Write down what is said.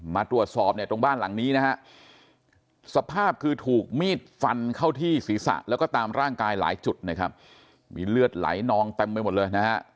มาตรวจสอบตรงบ้านหลังนี้สภาพคือถูกมีดฟันเข้าที่ศีรษะและก็ตามร่างกายหลายจุดมีเลือดไหลนองเต็มไปหมดเลย